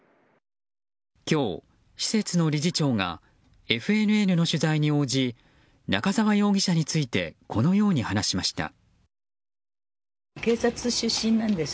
今日、施設の理事長がＦＮＮの取材に応じ中沢容疑者についてこのように話しました。